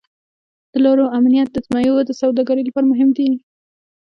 د لارو امنیت د میوو د سوداګرۍ لپاره مهم دی.